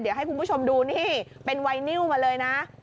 เดี๋ยวให้คุณผู้ชมดูนี่เป็นไวนิวมาเลยนะ